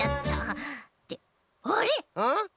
ってあれ！？